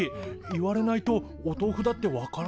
言われないとおとうふだってわからないかも。